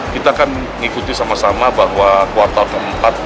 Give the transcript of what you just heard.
kita kan ikuti sama sama bahwa kuartal ke empat dua ribu empat belas